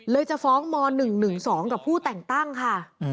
จะฟ้องม๑๑๒กับผู้แต่งตั้งค่ะ